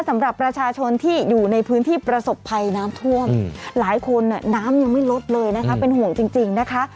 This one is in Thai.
สำหรับประชาชนที่อยู่ในพื้นที่ประสบภัยน้ำท่วมหลายคนน้ำยังไม่ลดเลยนะคะเป็นห่วงจริงนะคะ